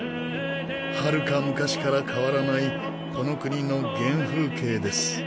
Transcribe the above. はるか昔から変わらないこの国の原風景です。